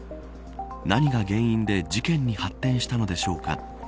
何が原因で事件に発展したのでしょうか。